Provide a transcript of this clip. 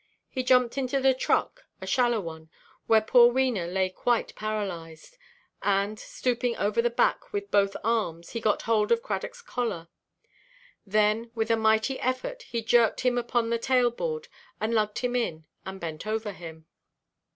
He jumped into the truck, a shallow one, where poor Wena lay quite paralysed, and, stooping over the back with both arms, he got hold of Cradockʼs collar. Then, with a mighty effort, he jerked him upon the tail–board, and lugged him in, and bent over him.